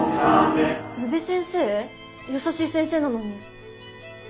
優しい先生なのに。